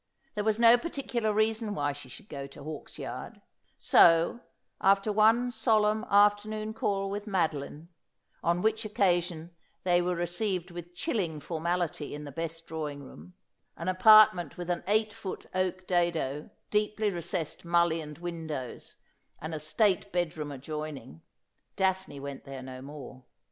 There was no particular reason why she should go to Hawksyard ; so, after one solemn afternoon call with Madeline — on which occasion they were received with chilling formality in the best drawing room ; an apartment with an eight foot oak dado, deeply recessed mul lioned windows, and a state bed room adjoining — Daphne went there no more.